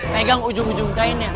pegang ujung ujung kainnya